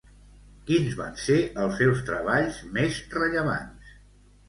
Quins van ser els seus treballs més rellevants?